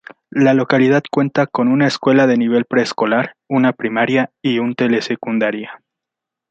La localidad cuenta con una escuela de nivel preescolar, una primaria y un telesecundaria.